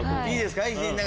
いいですか？